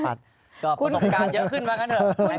ก็ประสบการณ์เยอะขึ้นว่ากันเถอะ